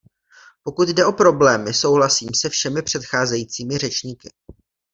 Pokud jde o problémy, souhlasím se všemi předcházejícími řečníky.